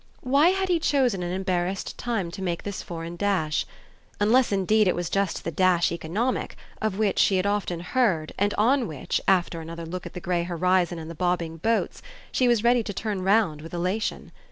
Why had he chosen an embarrassed time to make this foreign dash? unless indeed it was just the dash economic, of which she had often heard and on which, after another look at the grey horizon and the bobbing boats, she was ready to turn round with elation.